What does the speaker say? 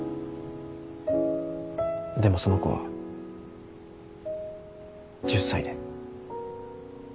でもその子は１０才で。